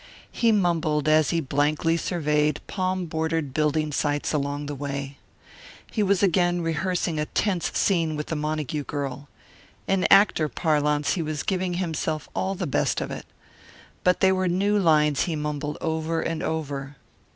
He mumbled as he blankly surveyed palm bordered building sites along the way. He was again rehearsing a tense scene with the Montague girl. In actor parlance he was giving himself all the best of it. But they were new lines he mumbled over and over.